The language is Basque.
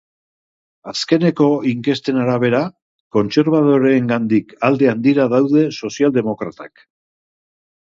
Azkeneko inkesten arabera, kontserbadoreengandik alde handira daude sozialdemokratak.